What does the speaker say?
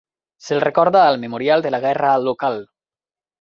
Se'l recorda al memorial de la guerra local.